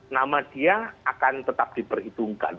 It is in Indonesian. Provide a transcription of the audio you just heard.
nama dia akan tetap diperhitungkan